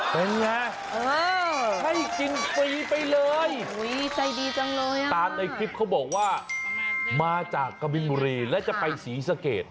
เป็นไงให้กินฟรีไปเลยใจดีจังเลยอ่ะตามในคลิปเขาบอกว่ามาจากกะบินบุรีและจะไปศรีสะเกด